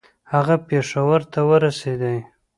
هغه پېښور ته ورسېدی.